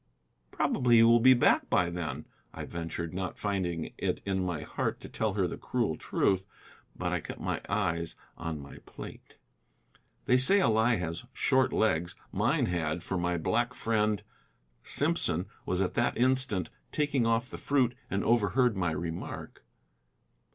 "Probably he will be back by then," I ventured, not finding it in my heart to tell her the cruel truth. But I kept my eyes on my plate. They say a lie has short legs. Mine had, for my black friend, Simpson, was at that instant taking off the fruit, and overheard my remark.